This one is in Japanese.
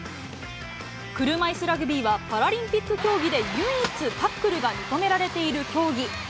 車いすラグビーはパラリンピック競技で唯一、タックルが認められている競技。